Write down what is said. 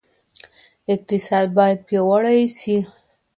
اقتصاد باید پیاوړی سي.